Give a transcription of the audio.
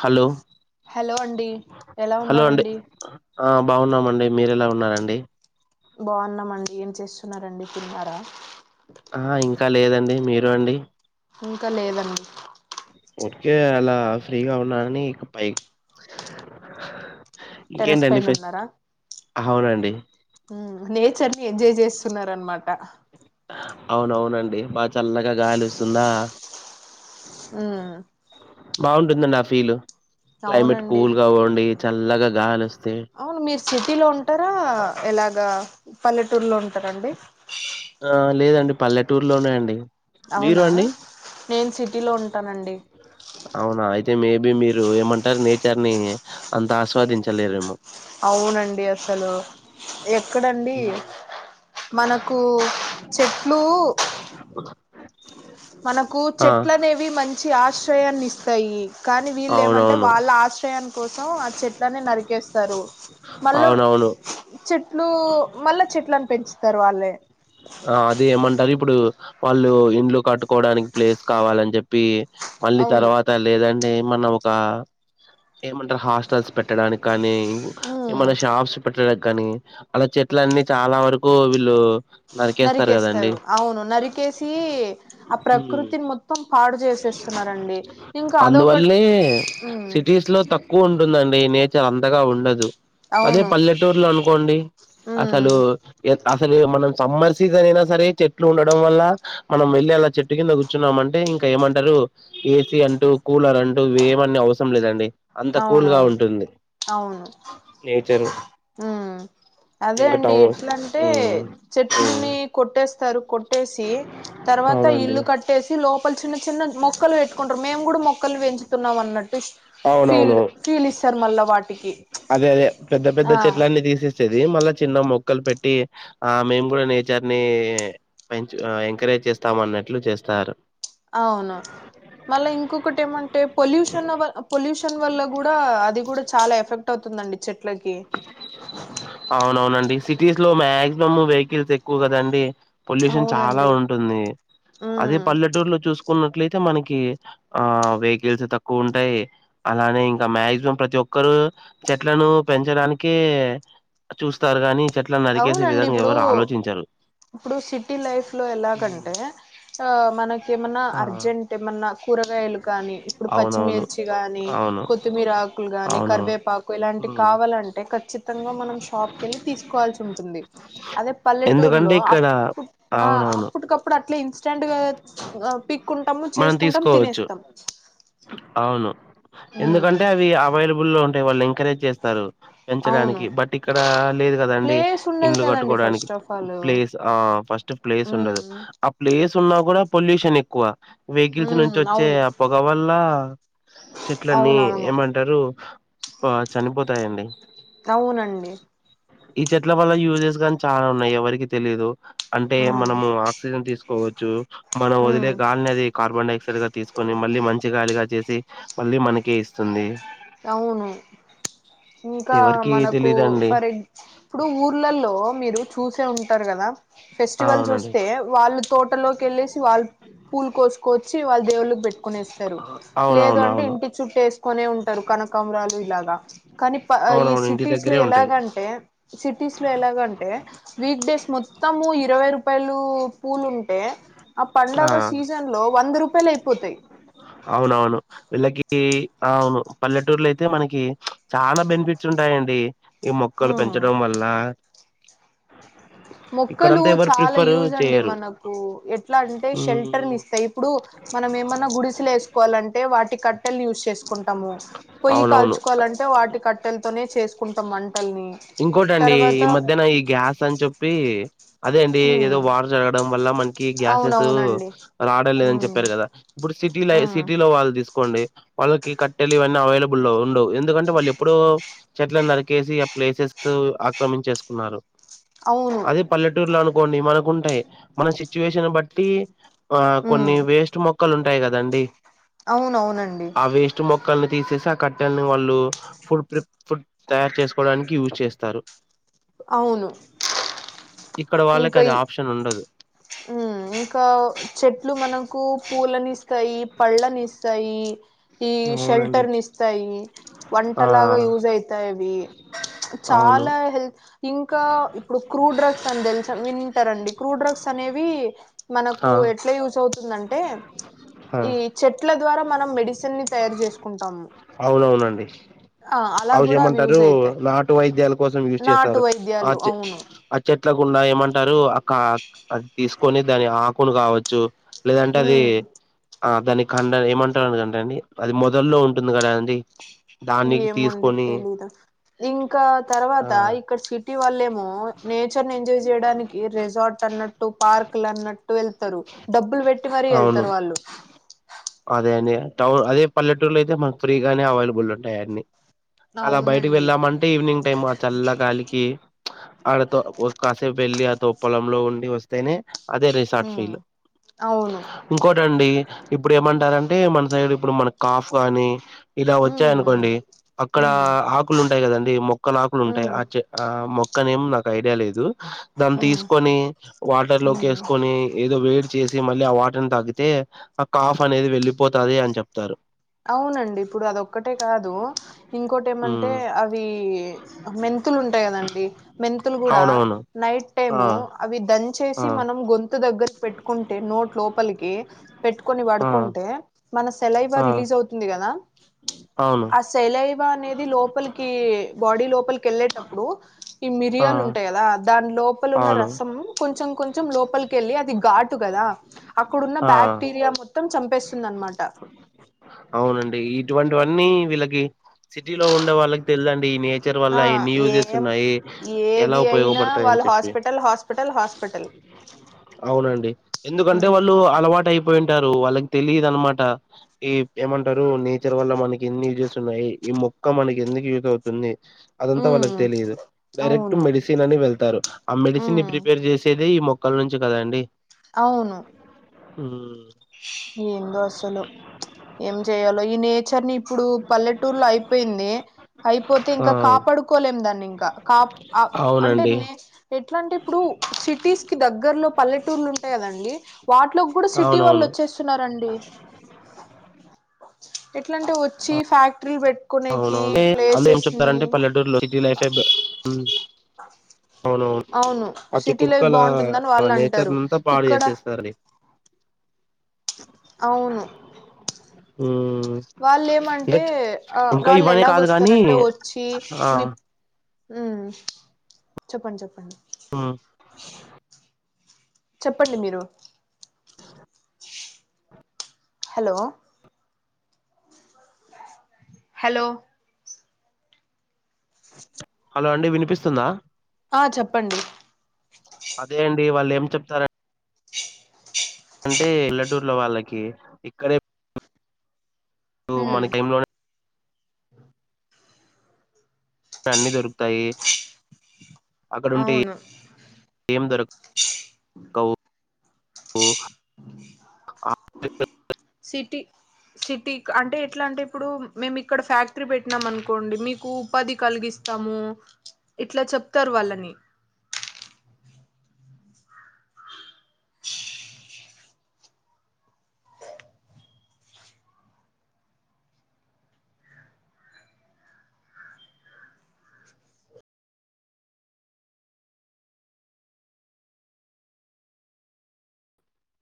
Hello hello అండి ఎలా hello అండి ఉన్నరండి ఆ బాగున్నామండి మీరెలా ఉన్నారండి బాగున్నామండి ఏం చేస్తున్నారండి తిన్నారా ఆ ఇంకా లేదండి మీరు అండి ఇంకా లేదండి ఊరకే అలా ఫ్రీగా ఉన్నానని ఇక పై టెరెస్ ఇంకేంటండి పైన ఫెస్ట్ ఉన్నారా అవునండి హ్మ్ నేచర్ ని ఎంజాయ్ చేస్తున్నారు రన్మాట అవునవునండి బాగా చల్లగా గాలి వస్తుందా హ్మ్ బాగుంటుందండి ఆ ఫీల్ క్లైమేట్ అవునండి కూల్గా పోండి చల్లగా గాలోస్త్ అవును మీరు సిటీలో ఉంటారా ఇలాగ పల్లెటూరులో ఉంటారండి ఆ లేదండి పల్లెటూరు లోనేయండి అవునా నేను సిటీ లో ఉంటానండి అవునా అయితే మేబ మీరు ఏమంటారు నేచర్ ని అంత ఆస్వాదించలేరేమో అవునండి అసలు ఎక్కడండి హ్మ్. మనకు చెట్లు మనకు ఆ చెట్లనేవి మం చి ఆశ్రయాన్ని ఇస్తాయి కానీ వీళ్ళేమంటే అవునవును వాళ్ళ ఆశ్రయాని కోసం ఆ చెట్లను నరికే స్తారు మళ్ళా [unintelligible] ట్లు మళ్ళా చెట్లను పెంచుతారు వాళ్ళే ఆ అది ఏమంటారు ఇప్పుడు వాళ్ళు ఇండ్లు కట్టుకోవడానికి ప్లేస్ కావాలని చెప్పి మళ్ళీ అవును తర్వాత లేదం ఏమన్నా ఒక ఏమంటారు హాస్టల్స్ పెట్టడానికి కానీ ఊ ఉమ్ ఏమన్నా షాప్స్ పెట్టడానికి కానీ అలా చెట్లన్నీ చాలా వరకూ వీళ్ళు నరికేస్తారు అవును నరికేసి ఆ ఉమ్ ప్రకృతిని మొత్తం పా అందువల్లే ఉమ్ సిటీస్ లో తక్కువున్ టుందండి నేచర్ అంతగా ఉండదు అదే అవును పల్లెటూరులో అనుకోండి అసలు ఉమ్ ఎ అసలే మనం సమ్మర్ సీజన్ అయినా సరే చెట్లు ఉండడం వల్ల మనం వెళ్ళి అలా చెట్టు కింద కూర్చున్నాం అంటే ఇం క ఏమంటారు ఏ సీ అంటూ కూలర్ అంటూ ఇవేం అన్నీ అవసరం లేదండి అంత కూల్ గా అవునవును ఉంటుంది అవును నేచరు ఉమ్ అదే ఇంక అండి టామ్ హౌసు ఎట్లంటే ఊ ఊ ట్టేసి తర్వాత ఇల్లు కట్టేసి లోప చిన్న చిన్న మొక్కలు పెట్టుకుంటారు మేము కూడా మొక్కలు పెంచుతున్నాం అన్నట్టు ఫీల్ అవునవును ఫీల్ ఇస్తారు మళ్ళా వాటికి అదే అదే పెద్ద పెద్ద ఆ చెట్లన్నీ తీసేసేది మళ్ళా చిన్న మొక్ క్కలు పెట్టి ఆ మేము కూడా నేచర్ ని పె ఎంకరేజ్ చేస్తాం అన్నట్లు చేస్తం సారు అంటే పొల్యూషన్ పొల్యూషన్ వల్ల కూడా అది కూడా చాలా ఎఫెక్ట్ అవుతుందండి చెట్లకి అవునవునండి సిటీస్ లో మాక్సిమం వెహికల్స్ ఎక్కువ కదండి పొల్యూషన్ చాలా అవునండి ఉంటుంది అదే ఉమ్ పల్లెటూర్లో చూసుకు న్నట్లయితే మనకి ఆ వెహికల్స్ తక్కువ ఉంటాయి అలానే ఇంకా మాక్సిమం ప్రతి ఒక్క ఒక్కరు చెట్లను పెంచడానికి చూస్తారు గాని చెట్లను నరికేసే అవునండి విధంగా ఇప్పుడు ఎవరు ఆలోచించరు ఇప్పుడు సిటీ లైఫ్ లో ఉ ఎలాగంటే ఆ మనక ఏమన్నా ఆ అర్జెంట్ ఏమన్నా కూరగాయలు కానీ ఇప్పుడు అవునవును పచ్చిమిర్చి గాని అవును కొత్తిమీర ఆకులు గానీ అవును కరివేపాకు ఇలాంటి ఉమ్. కావాలంట చ్చితంగా మనం షాప్ కిళ్ళి తీసుకు వాల్సి ఉంటుంది అదే పల్లెటూరు ఎందుకంటే లో ఇక్కడ అప్పు అవునవును అప్పటికప్పుడు అట్లా ఇ టం గా పిక్కుంటాము మనం చేసుకుంటాము తీసుకోవచ్చు తినేస్తాము అవును ఎందుకంటే అవి అవైలబుల్లో ఉంటాయి వాళ్ళు ఇంకా ఎంకరేజ్ చేస్తారు అవును పెంచడానికి బట్ ఇక్కడ లేదు కదండి ప్లేస్ ఉండదు ఇంలు కదండి కట్టుకోడానికి first of all um place ఆ ఫస్ట్ ప్లేస్ ఉండదు ఆ ప్లేస్ న్నా కూడా పొల్యూషన్ ఎక్కువ వెహికల్స్ ఉమ్ నుంచి వచ్చే అవును ఆ పొగ వల్ల చెట్లన్నీ అవునవును ఏమంటారు చనిపోతాయండి అవునండి ఈ చెట్ల వల్ల యూజెస్ నీ చాలా ఉన్నాయి ఎవరికి తెలీదు అంటే ఉమ్ మనము ఆక్సిజన్ తీసుకు కోవచ్చు మనం ఉమ్ వదిలే గాలిని అది కార్బన్డయాక్సైడ్ గా తీసుకొని మళ్ళీ మంచి మచ్చగాలిగా చేసి మళ్ళ మనకే ఇస్తుంది అవును ఇంకా ఎవరికి మనకు తెలీదండి ఫర్ ఎ ఇప్పుడు ఊర్ళలో మీరు చూసే ఉంటారు కదా ఫెస్టివల్స్ అవునండి వస్తే వాళ్ళు తోటలోకి వెళ్ళేసి వాళ్ళు పూలు కోసుకొచ్చి వాళ్ళు దేవుళ్ళకి పెట్టు కోనేస్తారు లేదు అవునవును అంటే అవును ఇంటి చుట్టూ వేసుకునే ఉంట కమరాలు ఇలాగా కానీ ప ఈ అవునవును ఇంటి సిటీస్లో దగ్గరే ఉంటాయి ఎలాగంటే సిటీస్లో ఎలాగంటే వీక్డేస్ మొ మొస్తము ఇరవై రూపాయలు పూలు ఉంటే ఆ పడుగ సీజన్ లో వంద రూపాయలు అయిపోతాయి అవునవును వీళ్ళకి అవును పల్లెటూర్లో అయితే మనకి చాలా బెనిఫిట్స్ ఉంటాయండి ఈ ఆ మొక్కలు పెంచడం వల్ల మొక్కలు ఇక్కడంతా ఎవరు చాలా ప్రిఫర్ యూజ అండి చేయరు మనకు ఎ ఎట్లా అంటే షెల్టర్ ని ఉమ్, ఇస్తాయి ఇప్పుడు మనం ఏమన్నా గుడిసలు వేసుకోవాలంటే వాటి క కట్టెలు యూజ్ చేసుకుంటాము పొయ్యి అవునవును కాల్చుకోవాలంటే వాటి కట్టెలతోనే చేసుకుంటాం అంట ఇంకోటండి ఈ మధ్యన ఈ గ్యాస్ అని చెప్పి అదే అండి ఏదో ఉమ్ వాటర్ జరగడం వల్ల మనకి గ్యాసెస్ అవునవునండి రాడం లేదని ఉమ్ చెప్పారు కదా సిటీల ఉమ్ సిటీలో వాళ్ళు తీసుకోండి వాళ్ళకి కట్టెలు ఇవన్నీ అవైలబుల్ ఉండవు ఎందుకంటే వాళ్ళు ఎప్పుడూ చెట్లను నరికేసి ఆ ప్లేసెస్ ఆక్రమించేసుకున్నారు అవును అదే పల్లెటూరులో అనుకోండి మనకుంటాయి మన సిచ్యువేషన్ బట్టి ఆ ఉమ్ కొన్ని వేస్ట్ మొక్కలు ఉంటాయి కదండి అవునవునండి క్కని తీసేసి ఆ కట్టన్ని వాళ్ళు ఫుడ్ ఫుడ్ తయారు చేసు డానికి యూస్ చేస్తారు అవును ఇక్కడ వాళ్ళకి అది ఆప్షన్ ఉండదు ఉమ్మ్ ఇంకా చెట్లు మనకు పూలనిస్తాయి పళ్ళనిస్తాయి యి అవునండి షెల్టర్ ని ఇస్తాయి వంట ఆ లాగా యూస్ అయితాయవి అవును చాలా హెల్త్ ఇంకా ఇప్పుడు క్రూడ్ డ్రగ్స్ అని తెలుసా వినుంటారండి క్రూ డ్రగ్స్ అనేవి ఆ మనకు ఎట్లా యూస్ అవుతుందంటే ఆ ఈ చెట్లా ద్వారా మనం మెడిసిన్ ని తయారు చేసుకుంటాం అవునవునండి అలా అవు కూడా అవి చేయమంటారు యూజ్ అయితాయి నాటు వైద్యాల కోసం యూజ్ నాటు చేస్తారు ఆ వైద్యాలు చే అవును అ చెట్ల గుండా ఏమంటారు కా అది తీసుకొని దాని ఆకులు కావచ్చు లేదంటే అది ఉమ్ ఆ దాని ఖండ ఏమంటారు అదంటే అండి అది మొదల్లో ఉంటుంది కదా అండి దాన్ని ఏమో అండి తీసుకొని తెలీదు ఇంకా ఆ తర్వాత ఇక్కడ సిట్ టీ వాళ్ళేమో నేచర్ ని ఎంజాయ్ చేయడానికి రిసార్ట్ అన్నట్టు పార్క్లు అన్నట్టు వెళ్ ళ్తరు డబ్బులు పెట్టి మరీ అవును ఏళ్తారు వాళ్ళు అదే అండి టౌన్ అదే పల్లెటూరులో అయితే మనకి ఫ్రీగానే అవైలబుల్ ఉంటాయి అన్నీ అలా బయటకి అవునండి వెళ్ళామంటే ఈవినింగ్ టైమ్ ఆ చల్ల గాలికి అల్లతో కాసేపు వెళ్ళలి ఆ తొప్పలంలో ఉండి వస్తేనే అదే రిసార్ట్ ఉమ్ ఫీల్ అవును ఇంకో టండి ఇప్పుడు ఏమంటారంటే మన సైడ్ ఇప్పుడు మన కాఫ్ గాని ఇలా ఉమ్ వచ్చాయనుకోండి అక్కడ ఉమ్ ఉమ్ ఆకులు ఉంటాయి కదండి మొక్కలు ఆకులు ఉంటాయి ఆ ఉమ్ చే ఆ మొక్క నేమ్ నాకు ఐడియా లేదు దాన్ని ఉమ్ తీసుకొని వాటర్ లోకి ఉమ్ వేసుకొని ఏదో వేడి చేసి మళ్ళీ ఆ వాటర్ని తాగితే ఆ కాఫ్ అనేది వెళ్ళిపోతాది అని చెప్తారు అవునండి ఇప్పుడు అదోక్కటే కాదు ఇంకోటి ఏమంటే ఉమ్ అవి మెన్ తులు ఉంటాయి కదండి మెంతులు కూడా అవునవును నైట్ ఆ టైము అవి దన్ చేసి ఆ మనం గొంతు దగ్గర పెట్టుకుంటే నోట్ లోపలికి పెట్టుకొని ఆ పడుకుంటే మన సెలైవా ఆ రిలీజ్ అవుతుంది కదా అవును ఆ సెలై అనేది లోపలికి బాడీ లోపలికి వెళ్ళేటప్పుడు ఈ ఆ మిరియాలు ఉంటాయి కదా దాని లోపలున్న అవును రసం కొంచెం కొంచ లోపలికేళ్ళ అది ఘాటు కదా అక్కడున్న ఆ బ్యాక్టీరియా మో మొత్తం చంపేస్తుందనమాట అవునండి ఇటువంటివన్నీ వీళ్ళకి సిటీ లో ఉండే వాళ్ళకి తెలిదండి ఈ నేచర్ వల్ల ఆ ఎన్ని యూజెస్ ఏం ఉన్నాయి ఎలా ఏది అయినా ఉపయోగపడతాయని చే వాళ్ళు హాస్పిటల్ హాస్పిటల్ హాస్పిటల్ అవునండి ఎందుకంటే ఉమ్ వాళ్ళు అలవాటు అయిపోయింటారు వాళ్ళకి తెలిదు అనమాట ఈ ఏమంటారు నేచర్ వల్ల మనకి ఎన్ని యూజెస్ ఉన్నాయి ఈ మొక్క మనకి ఎందుకు యూస్ అవుతుంది అదంతా ఉమ్ వాళ్ళకు తెలిదు డైరెక్ట్ అవును మెడిసిన్ అని వెళ్ స్తరు ఆ మెడిసిన్నీ ఉమ్ ప్రిపేర్ చేసేదే ఈ మొక్కల నుంచి కదా అండి అవును హ్మ్ ఏందో అసలు ఏం చేయాలో ఈ నేచర్ ని ఇప్పుడు పల్లెటూరులో అయిపోయింది అయిపోతే ఆ ఇంకా కాపాడుకోలేం దాన్ని ఇంకా కా ఆ అంటే అవునండి నే ఏట్లాంటె ఇప్పుడు సిటీస్ కి దగ్గరలో పల్లెటూర్లు ఉంటాయి కదండి వాటిలోకి కూడా సిటీ అవునవును వల్లోచ్ చేస్తున్నరండి ఎట్లాంటే వచ్చి ఫ్యాక్టరీ బెట్ అవునవును అందుకే ఎం చెప్తారంటే పల్లెటూరులో సిటీ లైఫే అవునవును అవును ఆ సిటీ లైఫ్ చుట్టుపక్కల బాగుంటుందని వాళ్ళు అంటారు నేచర్ననంత అంతా పాడు ఇక్కడ చేసేస్తార్ అవును హ్మ్ వాళ్ళు ఏమంటే ఆ వాళ్ళు ఇవనే కాదు కాని ఎలాగొస్తారంటే వచ్చి ఆ మీ ఉహ్ చెప్పండి చెప్పండి ఆ చెప్పండి మీరు హలో హలో హలో అండి వినిపిస్తుందా ఆ చెప్పండి అదే అండి వాళ్ళు ఏం చెప్తార అంటే ఇల్లటూర్లో వాళ్ళకి ఇక్కడే ఉండు మన ఉమ్ గేమ్ లోనే అన్నీ దొరుకుతాయి అవును ఏ దొర కవు [inaudible] సిటీ సిటీ అంటే ఎట్లా అంటే ఇప్పుడు మేము ఇక్కడ ఫ్యాక్టరీ పెట్టినాం అనుకోండి మీకు ఉపాధి కలిగిస్ స్తాము ఇట్లా చెప్తారు వాళ్ళని